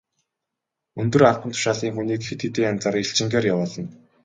Өндөр албан тушаалын хүнийг хэд хэдэн янзаар элчингээр явуулна.